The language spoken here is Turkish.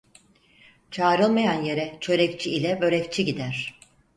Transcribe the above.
Çağrılmayan yere çörekçi ile börekçi gider.